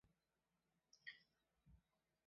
拉巴斯蒂多纳人口变化图示